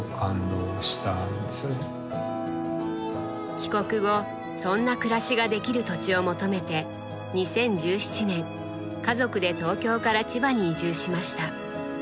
帰国後そんな暮らしができる土地を求めて２０１７年家族で東京から千葉に移住しました。